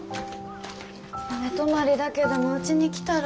寝泊まりだけでもうちに来たら？